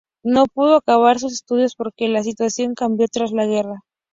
No pudo acabar sus estudios porque la situación cambió tras la guerra.